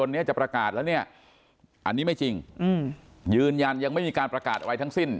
วันนี้จะประกาศแล้วเนี่ยอันนี้ไม่จริงยืนยันยังไม่มีการประกาศอะไรทั้งสิ้น